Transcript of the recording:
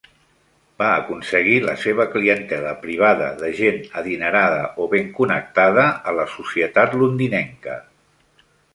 Va aconseguir la seva clientela privada de gent adinerada o ben connectada a la societat londinenca.